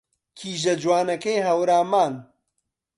کیژە جوانەکەی هەورامان